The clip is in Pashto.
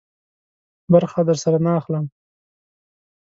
برخه درسره نه اخلم.